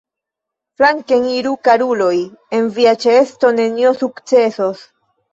Flanken iru, karuloj, en via ĉeesto nenio sukcesos!